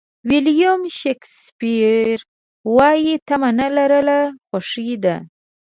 ویلیام شکسپیر وایي تمه نه لرل خوښي ده.